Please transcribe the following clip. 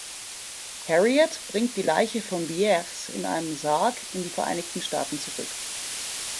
Harriet bringt die Leiche von Bierce in einem Sarg in die Vereinigten Staaten zurück.